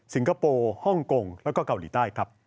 ซิงคโกโปฮ่องกงแล้วก็เกาหลีไต้ครับ